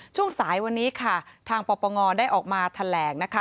ช่วงสายวันนี้ทางแป๊วประงอได้ออกมาแถลง